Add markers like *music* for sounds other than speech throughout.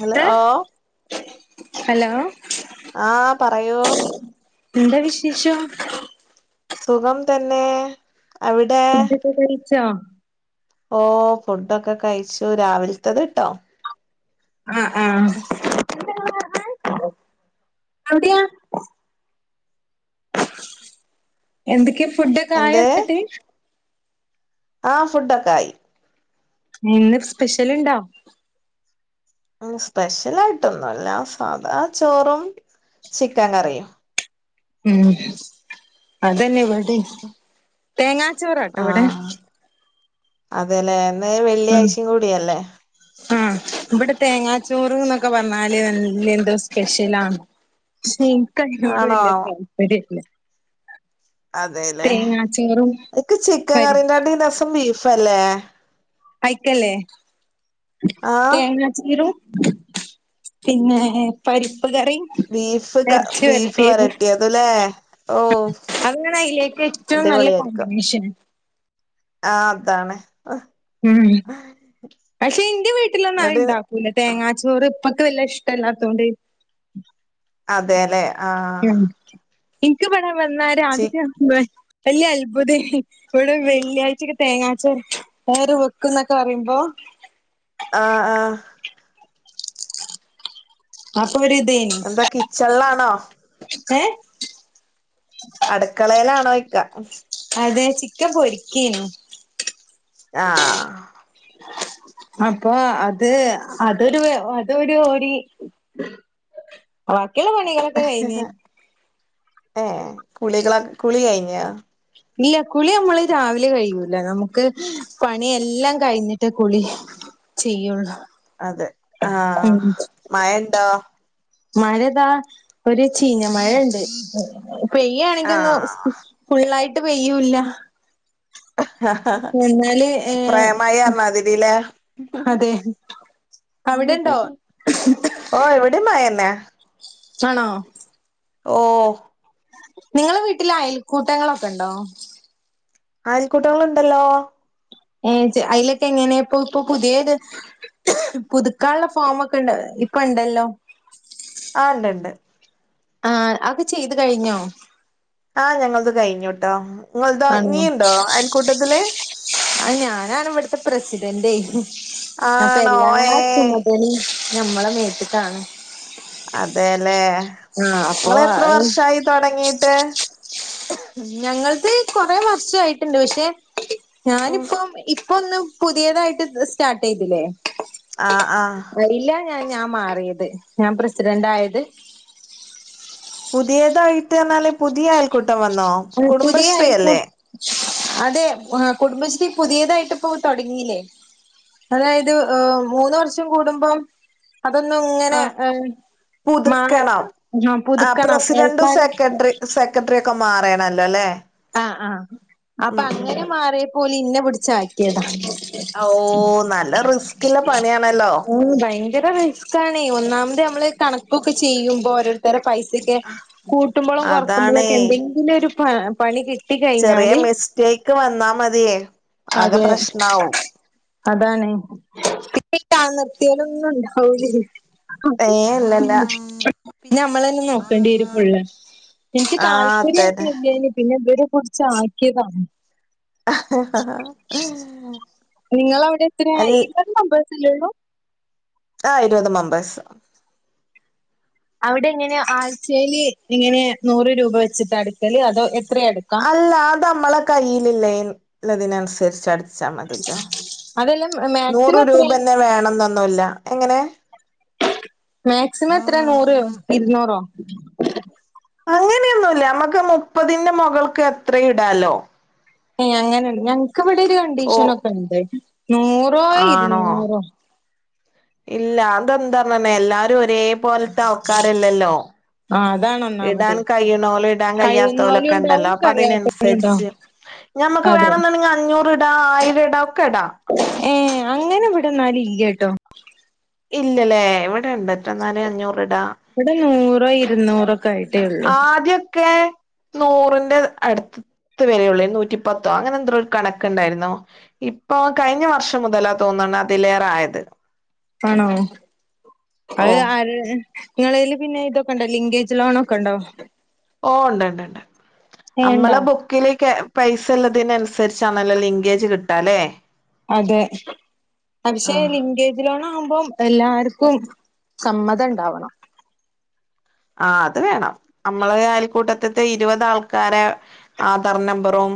Hello? Hello? ആ, പറയൂ... എന്താ വിശേഷം? സുഖം തന്നെ, അവിടെ? ഫൂഡൊക്കെ കഴിച്ചോ? ഓ.. ഫുഡൊക്കെ കഴിച്ചു, രാവിലത്തത് ട്ടോ. ആ ആ, എവിടെയാ? എന്തൊക്കെ ഫുഡക്കെ എന്ത് ആയോ ന്നട്ട് ആ ഫൂഡൊക്കെ ആയി ഇന്ന് സ്പെഷ്യൽ ഇണ്ടോ സ്പെഷ്യലായിട്ടൊന്നുല്ല സാധാ ചോറും ചിക്കൻ കറിയും ഉം അതന്നെ ഇവടിം ആഹ് ആ അതലെ മേ വെള്ളിയാഴ്ചിം കൂടിയല്ലേ ആ ഇവിടെ തേങ്ങാച്ചോറ്ന്നൊക്കെ പർഞ്ഞാല് വല്യ ന്തോ സ്പെഷ്യലാ ക്ഷേ ഇൻക്കയിനോട് ആണോ വല്യ താല്പര്യല്ല അതേലേ.. തേങ്ങാച്ചോറും ഇക്ക് ചിക്കൻ പരി കറിൻ്റാട്ടീ രസം ബീഫല്ലേ ആയിക്കല്ലേ? ആ തേങ്ങ ചീരു.. പിന്നെ പരിപ്പ് കറി. ബീഫ് ക ബീഫ് വരട്ടിയതലേ? ഓ.. *unintelligible* ഏറ്റവും നല്ല അടിപൊളിയായിരിക്കും കോമ്പിനേഷൻ ആ അതാണ് ഉം പക്ഷെ ഇന്റെ ന്നട്ട് വീട്ടിലൊന്ന്അവ്ണ്ടാ ഇന്ന് തേങ്ങാച്ചോറ് ഇപ്പക്ക് വല്യ ഇഷ്ടല്ലാത്തൊണ്ട് അതെലെ ഇൻക്ക് ഇവടെ വന്നാല് ചി ആദ്യക്കെ വല്യ അത്ഭുതേനി ഇവടെ വെള്ളിയാഴ്ചക്കെ തേങ്ങാര്ച്ചോറ് വെക്കും ന്നൊക്കെ പറയുമ്പോ ആ ആഹ് അപ്പ രിതേയ് ന്ത കിച്ചൺലാണോ *unintelligible* അടക്കളേലാണോയ്ക്ക അതെ... ചിക്കൻ പൊരിക്കേനു ആഹ് അപ്പൊ അത് അതൊരു വേ അതൊരു ഒരി വാക്കിള്ള പണികളക്കെ കയിഞ്ഞ് ഏ കുളികള കുളി കയിഞ്ഞാ ഇല്ല കുളി നമ്മള് രാവിലെ കയിയൂലെ നമുക്ക് പണിയെല്ലാം കയിഞ്ഞി ഒറ്റ കുളി ചെയ്യുള്ളൂ മഴ ഉണ്ടോ? മഴതാ ഒരു ചീഞ്ഞ മഴ ഇണ്ട് പെയ്യേണെങ്കിൽ ഒന്ന് ആഹ് ഫുള്ളായിട്ട് പെയ്യൂല്ല ഞങ്ങള് ഏ സ്പ്രേ മഴാർഞ്ഞാതിരിലേ അതെ അവിടെണ്ടോ? ഓ ഇവിടിം മയന്നെ ആണോ ഓഹ് നിങ്ങള വീട്ടിൽ അയൽക്കൂട്ടങ്ങളൊക്കെണ്ടോ അയൽക്കൂട്ടങ്ങള്ണ്ടല്ലോ ഏ ജ് അയിലൊക്കെ എങ്ങനേപ്പൊ ഇപ്പപുത്യേത് പുതുക്കാള്ള ഫോമൊക്കെണ്ട് ഇപ്പണ്ടല്ലോ ആ ണ്ട് ണ്ട് ആ അഒക്കെ ചെയ്തു കഴിഞ്ഞോ? ആഹ് ഞങ്ങൾത് കയിഞ്ഞുട്ടോ നിങ്ങൾതോ നീ ഇണ്ടോ അയൽക്കൂട്ടത്തില് ആ ഞാനാണ് വട്ത്തെ പ്രസിഡന്റെ യ് അപ്പ ആണോ എല്ലാ ഏഹ് ചുമതലയും ഞമ്മളെ മേത്ത്ക്കാണ് അതേലേ... ആഹ് അപ്പൊ ങ്ങളെത്ര വർഷായി തൊടങ്ങീട്ട് ഞങ്ങൾത് കൊറേ വർഷായിട്ടുണ്ട്. പക്ഷെ, ഉം ഞാനിപ്പം ഇ പ്പ ഒന്ന് പുതിയതായിട്ട് സ്റ്റാർട്ട് ചെയ്തില്ലേ ആഹ് ആഹ് അയ്ല ഞ ഞാൻ മാറ്യേത്. ഞാൻ പ്രസിഡന്റ് ആയത് പുതിയതായിട്ട്ർഞ്ഞാല് പുതിയ അയൽക്കൂട്ടം വന്നോ പുതിയ കുടുംബശ്രീ അയൽക്കൂട്ട അല്ലേ അതെ.. കുടുംബശ്രീ പുതിയതായിട്ട് ഇപ്പോ തൊടങ്ങില്ലേ അതായത് ഏ മൂന്ന് വർഷം കൂടുമ്പം അതൊന്നും ഇങ്ങനെ ആഹ് ഏ മാ പുതുക്കണം ആ പുതുക്കണം ആൾക്കാര് സെക്രട്ടറിയൊക്കെ മാറീണല്ലോല്ലേ ആഹ് ആഹ് അപ്പങ്ങനെ മാറിയപ്പോല് ഇന്നെ പിടിച്ചാക്കിയതാ ഓഹ് നല്ല റിസ്കില്ല പണിയാണല്ലോ ഉം ഭയങ്കര *inaudible* ക്കാണെ ഒന്നാമത് നമ്മള് കണക്കൊക്കെ ചെയ്യുമ്പോ ഓരോര് ഇത്ര പൈസെക്കെ കൂട്ടുമ്പളും അതാണേ കുറക്കുമ്പോളൊക്കെ എന്തെങ്കിലും ഒരു പ പണി കി ചെറ്യേ മിസ്റ്റേക്ക് വന്നാ മതിയേ ആകെ അതെ *inaudible* പ്രശ്നാവും അതാണ് *unintelligible* നിർത്തിയാലും ഒന്നും ഉണ്ടാവൂലെ ഏഹ് ഇല്ലല്ല പിന്നമ്മളന്നെ നോക്കണ്ടേരും പ്പള്ള എനിക്ക് ആഹ് അതന്നെ താല്പരുന്നുല്ലേനി പിന്നെ വര് പുട്ച്ചാക്കിയതാ നിങ്ങളവിടെ എത്രയാ അല്ല *unintelligible* ആഹ് ഇരുപത് മെമ്പേഴ്സ് അവിടെ എങ്ങനെ ആഴ്ചേല് ഇങ്ങനെ നൂറ് രൂപ വെച്ചിട്ട അടക്കല് അതോ എത്രിം അട്ക്ക് അല്ല അതമ്മളെ കയ്യിലില്ലേയ്ൻ ഇള്ളതിനനുസരിച്ച് അട് അട്ചാമതിട്ടോ അതെല്ലാം നൂറ് മാക്സിമം എത്രയാ രൂപന്നെ വേണംന്നൊന്നുല്ല എങ്ങനെ മാക്സിമം എത്രേ നൂറോ ഇരുന്നൂറോ അങ്ങനെയൊന്നുല്ല നമ്മക്ക് മുപ്പതിന്റെ മൊകൾക്ക് എത്രയു ഇടാലോ ഏ അങ്ങനെണ്ട് ഞങ്ങക്ക് ഇവിടൊരു ഓ കണ്ടീഷൻൊക്കെണ്ട് നൂറോ ആണോ ഇരുന്നൂറോ ഇല്ല അതെന്താന്നർഞ്ഞ എല്ലാരും ഒരേ പോലത്താൾക്കാരല്ലല്ലോ ആ അതാണ് ഒന്നാമത് ഇടാൻ കയ്യ്ണോല് ഇടാൻ കഴിയുന്നോലും കയ്യാത്തോലൊക്കണ്ടല്ലോ ഉണ്ടാവും അപ്പൊ കറിയാത്തോലും ഉണ്ടാവും അതിനനുസരിച്ച് ഞമ്മക്ക് അതെ വേണംന്നുണ്ടെങ്കിൽ അഞ്ഞൂറ് ഇടാ ആയിരം ഇടാ ഒക്കെ ഇടാ ഏ അങ്ങനെ വിടന്നാലില്ലട്ടോ ഇല്ലല്ലേ ഇവടെ ഇണ്ട്ട്ടോന്നാല് അഞ്ഞൂറ്ടാ ഇവടെ നൂറോ ഇരുന്നൂറോ ഒക്കെ ആയിട്ടേ ഉള്ളൂ ആദ്യൊക്കെ നൂറിന്റെ അടുത്ത് അട്ത്ത് വരെയുള്ളേനി നൂറ്റി പത്തോ അങ്ങനെ എന്ത്രോരു കണക്കുണ്ടായിരുന്നോ ഇപ്പൊ കഴിഞ്ഞ വർഷം മുതലാ തോന്ന്ണ് അതിലേറായത് ആണോ ഓ അത് ആര് ഇങ്ങളേല് പിന്നെ ഇതൊക്കെണ്ടോ ലിങ്കേജ് ലോണൊക്കണ്ടോ? ഓ ഉണ്ട്ണ്ട് ഉണ്ട് ഏ ഉണ്ടോ അമ്മളെ ബുക്കില് ക്കേ പൈസള്ളതിനനുസരിച്ചാണല്ലോ ലിൻങ്കേജ് കിട്ടാലേ അതെ പക്ഷേ ലിങ്കേജ് ആഹ് ലിങ്കേജ് ലോണാവുമ്പം എല്ലാവർക്കും സമ്മതണ്ടാവണം ആഹ് അത് വേണം നമ്മളെ അയൽക്കൂട്ടത്ത്ത്തെ ഇരുപത് ആൾക്കാരെ ആധാർ നമ്പറും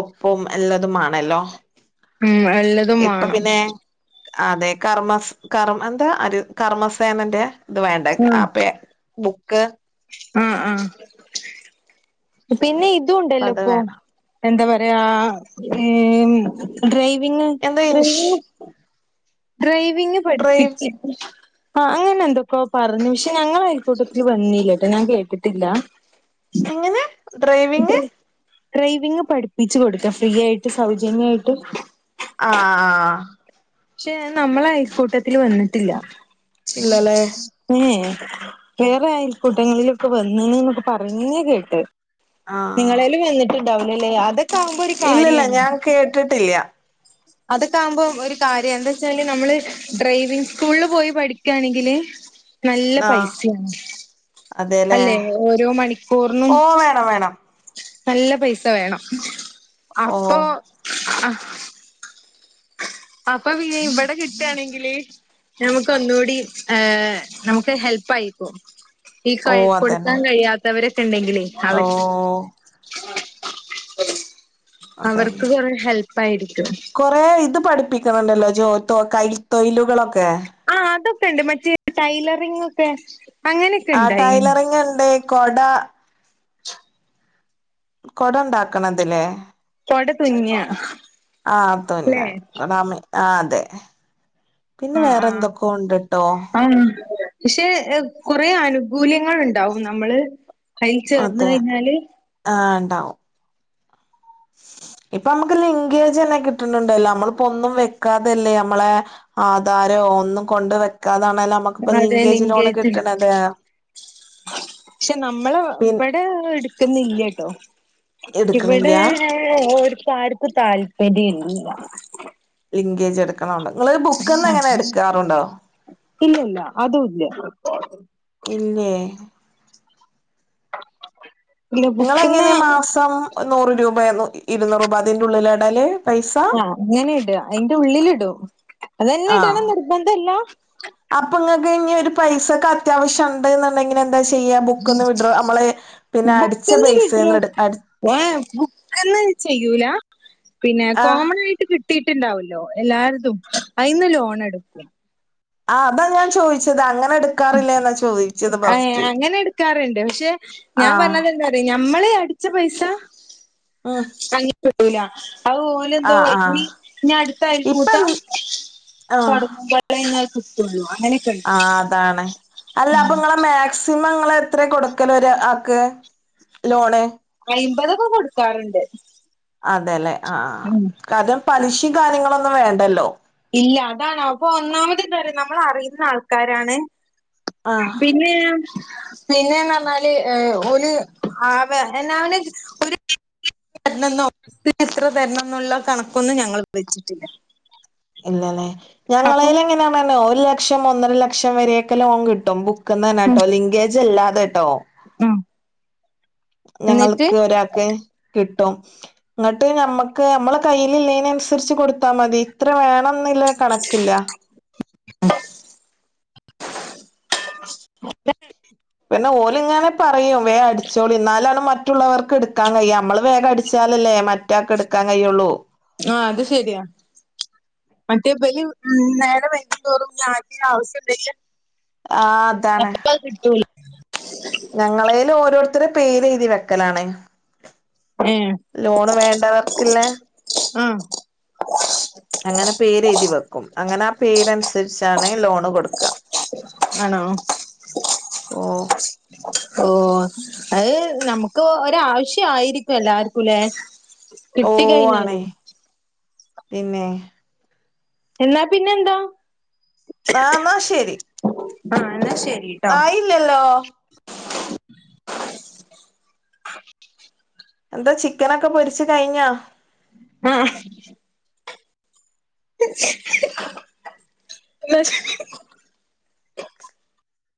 ഒപ്പും എല്ലാതുമേ ണോല്ലൊ ഉം എല്ലതും ഇപ്പൊ വേണം പിന്നെ അതെ കർമ്മസ് കർ എന്താ ഹരി കർമ്മസേനന്റെ ഇത് വേണ്ടെ ഉം ആപേ ബുക്ക് ആഹ് ആഹ് പിന്നെ അത് ഇതുണ്ടല്ലോപ്പൊ വേണം എന്താ പറയാ ഏ ഡ്രൈവിങ് എന്താ ഇൻഷ് ഡ്രൈവിങ് ഡ്രൈവിങ് ഡ്രൈവ് പഠിപ്പിച്ച് ആഹ് അങ്ങനെന്തൊക്കോ പറഞ്ഞ് പക്ഷെ ഞങ്ങളയൽക്കൂട്ടത്തിൽ വന്നീല്ലട്ടൊ ഞാൻ കേട്ടിട്ടില്ല എങ്ങനെ ഡ്രൈവിങ് ഡ്രൈവിങ് പഠിപ്പിച്ച് കൊടുക്കാ ഫ്രീ ആയിട്ട് സൗജന്യായിട്ട് ആഹ് ആഹ് പക്ഷെ അത് നമ്മളെ അയൽക്കൂട്ടത്തില് വന്നിട്ടില്ല ഇല്ലല്ലേ ഏ വേറെ അയൽക്കൂട്ടങ്ങളിലൊക്കെ വന്ന്ണ് എന്നൊക്കെ പറയഞ്ഞ്കേട്ട് ആഹ് നിങ്ങളേലും വന്നിട്ടുണ്ടാവൂലല്ലേ അതൊ ഇല്ലില്ല ഞാൻ കേട്ടിട്ടില്ല അതൊക്കെ ആകുമ്പം ഒരു കാര്യം എന്താ വെച്ചാല് നമ്മള് ഡ്രൈവിംഗ് സ്കൂളിൽ പോയി പഠിക്കുകയാണെങ്കില് നല്ല ആഹ് പൈസയാണ് അതെല്ലേ അല്ലെ ഓരോ മണിക്കൂറിനും ഓ വേണം വേണം നല്ല പൈസ വേണം ഓ അപ്പൊ അപ്പാ പിന്നെ ഇവിടെ കിട്ടാണെങ്കില് നമുക്ക് ഒന്നൂടി ഏ നമുക്ക് ഹെൽപ്പ് ആയിപ്പോ ഈ ഓ കൊയ് അതന്നെ കൊടുക്കാൻ കഴിയാത്തവരൊക്കെ ഇണ്ടാകില്ലേ ഓ അവര് അവർക്ക് അതന്നെ കുറെ ഹെൽപ്പ് ആയിരിക്കും കൊറേ ഇത് പഠിപ്പിക്കണണ്ടല്ലോ ജോ തൊ കൈ തൊയിലുകളൊക്കെ ആ അതൊക്കെ ഉണ്ട് മറ്റേ ടൈലറിംങ് ഒക്കെ അങ്ങനെയൊക്കെ ആഹ്, ഇണ്ടായിനി ടൈലറിംഗ്ണ്ട്. കൊട കൊട ഉണ്ടാക്കണതില്ലേ കൊട തുന്ന ആ അതുന്ന അല്ലെ ആ അതെ പിന്നെ വേറെ എന്തൊക്കെ ഉണ്ട്ട്ടോ ആണോ! പശേ, കുറെ അനുകൂല്യങ്ങൾ ഉണ്ടാവും, നമ്മള് അയ്ല് ചേർന്ന് അതെ കഴിഞ്ഞാല് ആ ഉണ്ടാവും ഇപ്പൊ, നമ്മുക്ക് ലിൻഗേജെന്നെ കിട്ടുന്നുണ്ടല്ലോ!. നമ്മള് ഇപ്പൊ ഒന്നും വെക്കാതല്ലേ, നമ്മളെ ആധാരോ ഒന്നും കൊണ്ട് വെക്കാതാണെലും നമ്മക്ക് അതെ, ലിങ്കേജ്ന്. പക്ഷെ, നമ്മള് പി ഇടെ എടുക്കുന്നില്ലട്ടോ എടുക്കണില്ല ഇവിടെ ഓര്ക്ക്, ആര്ക്കും താല്പര്യല്ല. ലിങ്കേജ് എടുക്കണൊണ്ട്. നിങ്ങള് ബുക്ക്ന്ന് അങ്ങനെ എടുക്കാറുണ്ടോ? ഇല്ല ഇല്ല അതും ഇല്ല ഇല്ലേ? ഇല്ല നിങ്ങള് എങ്ങനെയ ബുക്ക്ന്ന് മാസം നൂറ് രൂപ ഇരുന്നൂറ് രൂപ അതിൻ്റെ ഉള്ളില് ഇടല് പൈസ ആഹ്, ങ്ങനെ ഇടാ. അതിന്റെ ഉള്ളിലിടും. അതന്നെ ആ ഇടണം ന്നിർബന്ധല്ല. അപ്പൊ, ഇങ്ങക്ക് ഇഞ്ഞി ഒരു പൈസക്ക് അത്യാവശ്യം ഒണ്ട് ന്നുണ്ടെങ്കില് എന്ത ചെയ്യാ ബുക്കന്ന് വിഡ്രോ നമ്മള് പിന്നെ അടിച്ച പൈസ ഏ ബുക്കന്ന് ചെയ്യൂല പിന്നെ ആ കോമൺ ആയിട്ട് കിട്ടും ട്ടിട്ടുണ്ടാവുല്ലോ? എല്ലാരതും. അയിന്ന് ലോൺ എടുക്കും. ആഹ്, അതാ ഞാൻ ചോദിച്ചത്. അങ്ങനെ എടുക്കാറില്ലേ, എന്നാ ചോദിച്ചത്? ആ ഫസ്റ്റ് അങ്ങനെ എടുക്കാറുണ്ട് പക്ഷെ ആ ഞാൻ പറഞ്ഞത് എന്താറിയോ? ഞമ്മള് അടിച്ച പൈസ ആ അങ്ങനെ കിട്ടൂല. *unintelligible* ഓര് ഇന്നലെ പോയി ആ കൂടി ഇനി അടുത്ത ഇപ്പ അയൽകൂട്ടം ആ അപ്ലൈ ചെയ്യുന്നവർക്കേ കിട്ടുള്ളൂ അങ്ങനെ ആ അതാണ് അല്ല അപ്പൊ നിങ്ങളെ മേ മാക്സിമം നിങ്ങൾ എത്ര കൊടുക്കല് ഒരാക്ക് ലോണ് അയിമ്പതൊക്കെ കൊടുക്കാറുണ്ട് അതെല്ലെ ആ ഉം കാര്യം പലിശയും കാര്യങ്ങളൊന്നും വേണ്ടല്ലോ ഇല്ല അതാണോ അപ്പൊ ഒന്നാമത് എന്താന്നറിയോ നമ്മൾ അറിയുന്ന ആൾക്കാരാണ് ആ *unintelligible* പിന്നെന്ന് പറഞ്ഞാല് ഓല് ഒരു ആ എന്നാ അവന് ഒരു ഇത്ര തരണം എന്നുള്ള കണക്കൊന്നും ഞങ്ങൾ വെച്ചിട്ടില്ല ഇല്ലല്ലേ അപ്പൊ ഞങ്ങളേല് എങ്ങനെയാണോ ഒരു ലക്ഷം ഒന്നര ലക്ഷം വരെയൊക്കെ ലോൺ കിട്ടും ഇറക്കുന്നതന്നെട്ടോ ലിങ്കേജ് അല്ലാതെട്ടോ ആഹ് ഞങ്ങൾക്ക് ഒരാക്ക് കിട്ടും ഇങ്ങട്ട് നമ്മക്ക് നമ്മളെ കയ്യില് ഇല്ലേന് അന്സരിച്ച് കൊട്ത്താ മതി ഇത്ര വേണംന്നില്ല കണക്കില്ല *inaudible* ശബ്ദം ക്ലിയർ അല്ല പിന്നെ ഓല് ഇങ്ങനെ പറയും വേഗം അടിച്ചോളി ഇന്നാലാണ് മറ്റ മറ്റുള്ളവർക്ക് എടുക്കാൻ കഴിയ നമ്മള് വേഗം അടിച്ചാലല്ലേ മറ്റാക്ക് എടുക്കാൻ കഴിയുള്ളൂ ആഹ്, അത് ശെരിയാ. മറ്റേ ബലി ഉം നേരം വൈകുന്തോറും നാടില് ആവശ്യമില്ല ആ അതാണ് അപ്പ കിട്ടു ഞങ്ങളേല് ഓരോരുത്തരെ പേരെഴ്തി വെക്കലാണ് ഏഹ് ലോണ് വേണ്ടവർക്ക്ല്ലേ ആഹ അങ്ങനെ പേരെഴ്തി വെക്കും അങ്ങനെ ആ പേരന്സെരിച്ചാണ് ലോണ് കൊട്ക്ക ആണോ ഓ ഓ അത് നമുക്ക് ഒരാവശ്യയിരിക്കും എല്ലാർക്കും ല്ലേ ഓ കിട്ടി ആണേ കഴിഞ്ഞാലും പിന്നെ എന്നാ പിന്നെ എന്താ ആഹ് ന്നാ ശരി ആഹ എന്നാ ശരി ആയില്ലല്ലോ എന്താ ചിക്കനൊക്കെ പൊരിച്ച് കഴിഞ്ഞോ ആഹാ ഇന്നാ ശരി